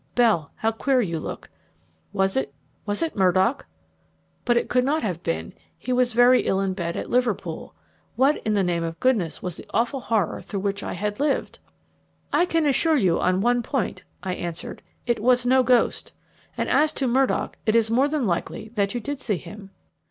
Bell, how queer you look! Was it was it Murdock? But it could not have been; he was very ill in bed at Liverpool. What in the name of goodness was the awful horror through which I had lived?" "I can assure you on one point," I answered; "it was no ghost. And as to Murdock, it is more than likely that you did see him."